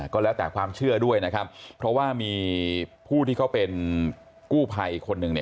ก็แล้วแต่ความเชื่อด้วยนะครับเพราะว่ามีผู้ที่เขาเป็นกู้ภัยอีกคนนึงเนี่ย